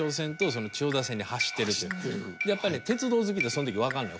やっぱね鉄道好きってその時分かるのよ。